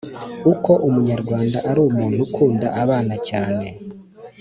uko umunyarwanda ari umuntu ukunda abana cyane